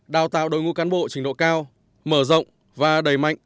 đào tạo đối ngũ cán bộ trình độ cao mở rộng và đầy mạnh